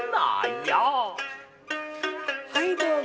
はいどうぞ。